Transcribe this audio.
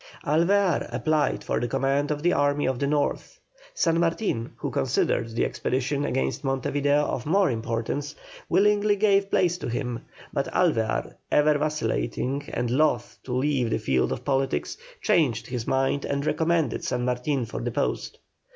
Alvear applied for the command of the army of the North. San Martin, who considered the expedition against Monte Video of more importance, willingly gave place to him, but Alvear, ever vacillating and loth to leave the field of politics, changed his mind and recommended San Martin for the post.